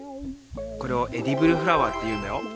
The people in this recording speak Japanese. これを「エディブルフラワー」っていうんだよ。